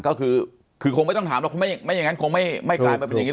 ก็คือคงไม่ต้องถามหรอกไม่อย่างนั้นคงไม่กลายมาเป็นอย่างนี้ห